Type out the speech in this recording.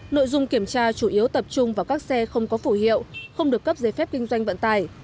nội dung kiểm tra chủ yếu tập trung vào các xe không có phủ hiệu không được cấp giấy phép kinh doanh vận tải